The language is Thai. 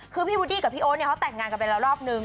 คือพี่วุดดี้กับพี่โอ๊ตเนี่ยเขาแต่งงานกันไปแล้วรอบนึง